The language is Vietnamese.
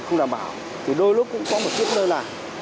không đảm bảo thì đôi lúc cũng có một kiếp nơi là